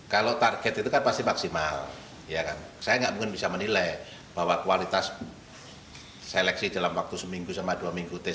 kalau target itu kan pasti maksimal saya nggak mungkin bisa menilai bahwa kualitas seleksi dalam waktu seminggu sama dua minggu